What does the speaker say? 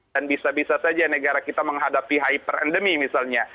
dan bisa bisa saja negara kita menghadapi hyperendemi misalnya